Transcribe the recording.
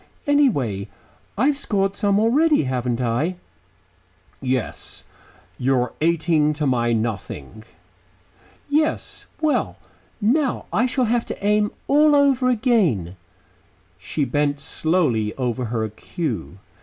Anyhow, I have scored some already, haven't I?" "Yes. You're eighteen to my nothing." "Yes. Well, now I shall have to aim all over again." She bent slowly over her cue.